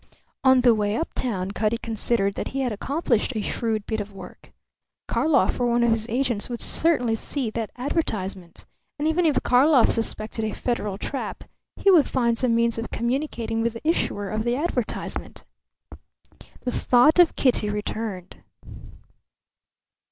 On the way uptown Cutty considered that he had accomplished a shrewd bit of work. Karlov or one of his agents would certainly see that advertisement; and even if Karlov suspected a Federal trap he would find some means of communicating with the issuer of the advertisement. The thought of Kitty returned.